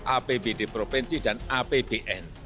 apbd provinsi dan apbn